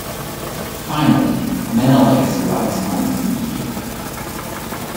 Finally Menelaus arrives home from Egypt.